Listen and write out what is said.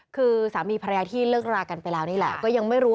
คือสามีภรรยาที่เลิกรากันไปแล้วนี่แหละก็ยังไม่รู้